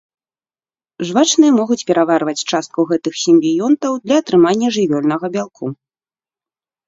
Жвачныя могуць пераварваць частку гэтых сімбіёнтаў для атрымання жывёльнага бялку.